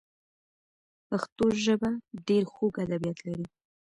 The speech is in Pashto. پښتو ژبه ډېر خوږ ادبیات لري.